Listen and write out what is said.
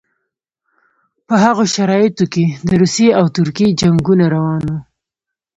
په هغو شرایطو کې د روسیې او ترکیې جنګونه روان وو.